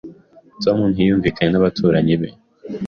Tom ntiyumvikanye n’abaturanyi be.